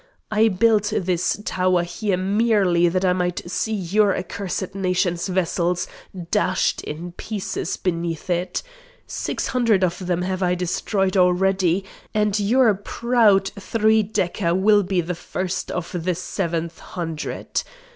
I built this tower here merely that I might see your accursed nation's vessels dashed in pieces beneath it. Six hundred of them have I destroyed already, and your proud three decker will be the first of the seventh hundred.